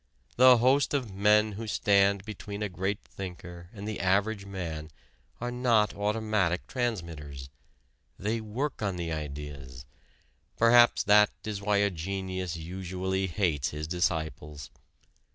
The host of men who stand between a great thinker and the average man are not automatic transmitters. They work on the ideas; perhaps that is why a genius usually hates his disciples.